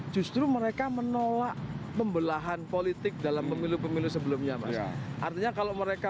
justru mereka menolak pembelahan politik dalam pemilu pemilu sebelumnya mas artinya kalau mereka